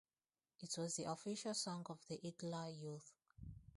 It was the official song of the Hitler Youth.